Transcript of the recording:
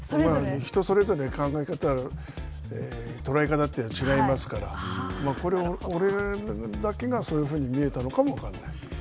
人それぞれ考え方、捉え方は違いますから、俺だけがそういうふうに見えたのかも分からない。